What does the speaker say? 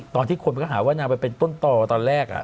ตอนที่คนก็หาว่านางไปเป็นต้นต่อตอนแรก